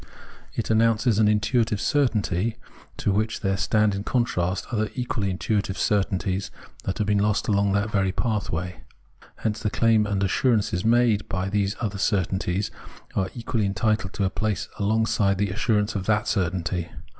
It announces an intuitive certainty, to which there stand in contrast other equally intuitive certainties that have been lost along that very pathway. Hence the claims and assurances made by these other certainties are equally VOL. I.—Q 226 Phenomenology of Mind entitled to a place alongside the assurance of that certainty.